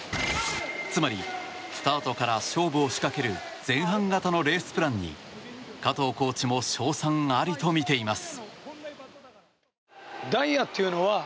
つまり、スタートから勝負を仕掛ける前半型のレースプランに加藤コーチも勝算ありと見ています。